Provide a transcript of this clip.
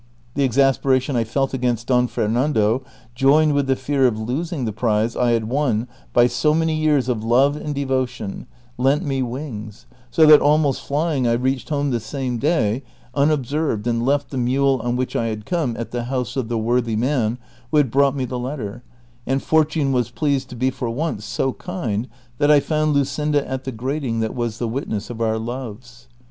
The exasperation I felt against Don Fernando, joined with the fear of losing the prize I had won by so many years of love and devotion, lent me wings; so that almost flying I reached home the same day, by the hour whicli served for speaking with Luscinda. I arrived unobserved, and left the mule on which I had come, at the house of the worthy man who had brought me tlie letter, and fortune was pleased to be for once so kind tliat I found Luscinda at the grating that was the witness of our loves.